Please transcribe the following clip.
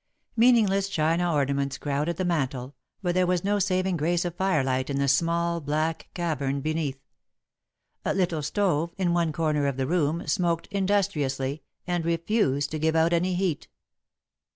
Meaningless china ornaments crowded the mantel, but there was no saving grace of firelight in the small black cavern beneath. A little stove, in one corner of the room, smoked industriously and refused to give out any heat.